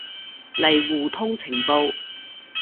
嚟互通情報